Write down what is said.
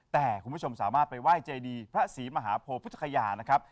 แต่คุณผู้ชมสามารถไปไหว้เจดีพระศรีมหาโพพุทธคยานะครับ